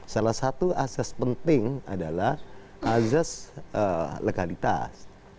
salah satu asas penting adalah asas legalitas